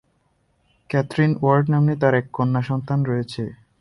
Catherine Ward নাম্নী তার এক কন্যা সন্তান রয়েছে।